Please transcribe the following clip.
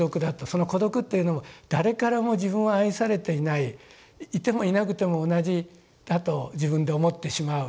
その孤独というのも誰からも自分は愛されていないいてもいなくても同じだと自分で思ってしまう。